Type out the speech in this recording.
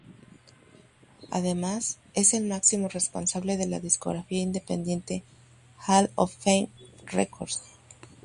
Además, es el máximo responsable de la discográfica independiente Hall of Fame Records.